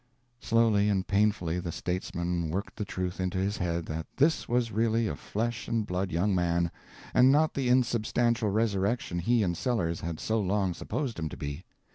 Slowly and painfully the statesman worked the truth into his head that this was really a flesh and blood young man, and not the insubstantial resurrection he and Sellers had so long supposed him to be.